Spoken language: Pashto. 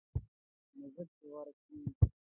مځکې ورکړې.